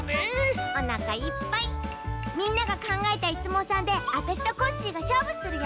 みんながかんがえたイスもうさんであたしとコッシーがしょうぶするよ！